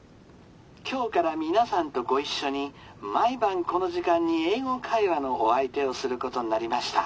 今日から皆さんとご一緒に毎晩この時間に『英語会話』のお相手をすることになりました。